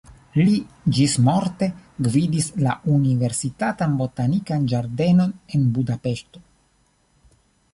Li ĝismorte gvidis la universitatan botanikan ĝardenon en Budapeŝto.